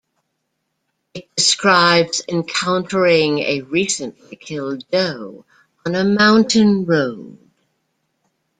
It describes encountering a recently killed doe on a mountain road.